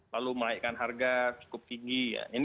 lalu menaikkan harga cukup tinggi